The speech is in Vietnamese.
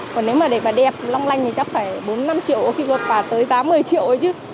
còn nếu mà để mà đẹp long lanh thì chắc phải bốn năm triệu khi gặp tới giá một mươi triệu ấy chứ